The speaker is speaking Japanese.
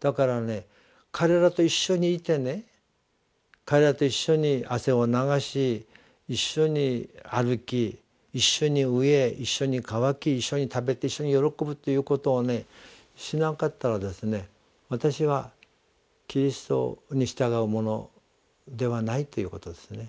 だからね彼らと一緒にいてね彼らと一緒に汗を流し一緒に歩き一緒に飢え一緒に渇き一緒に食べて一緒に喜ぶということをしなかったら私はキリストに従う者ではないということですね。